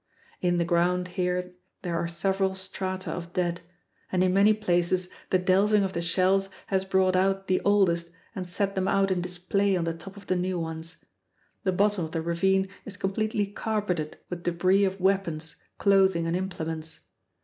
In the ground here there are several strata of dead and in many places the delving of the shells has brought out the oldest and set them out in display on the top of the new ones. The bottom of the ravine is completely carpeted with debris of weapons, clothing, and implements.